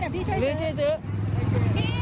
เดี๋ยวพี่ช่วยปี้